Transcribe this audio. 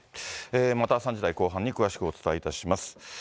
また３時台後半に詳しくお伝えいたします。